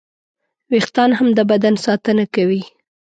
وېښتيان هم د بدن ساتنه کوي.